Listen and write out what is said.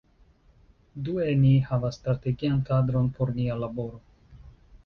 Due, ni havas strategian kadron por nia laboro.